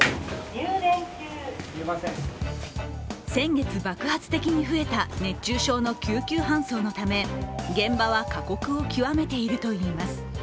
先月爆発的に増えた熱中症の救急搬送のため現場は過酷を窮めているといいます。